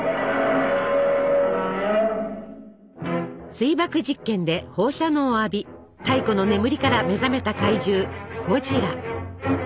水爆実験で放射能を浴び太古の眠りから目覚めた怪獣ゴジラ。